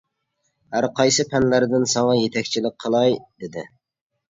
ھەرقايسى پەنلەردىن ساڭا يېتەكچىلىك قىلاي، — دېدى.